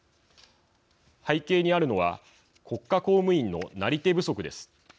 背景にあるのは国家公務員のなり手不足です。